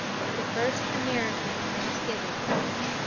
THE FIRST AMERICAN THANKSGIVING.